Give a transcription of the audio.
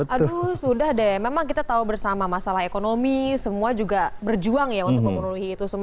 aduh sudah deh memang kita tahu bersama masalah ekonomi semua juga berjuang ya untuk memenuhi itu semua